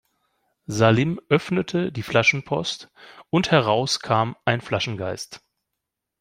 Salim öffnete die Flaschenpost und heraus kam ein Flaschengeist.